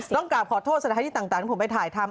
ต้องกลับขอโทษสถานที่ต่างที่ผมไปถ่ายทำ